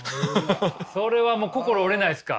だからそれはもう心折れないですか？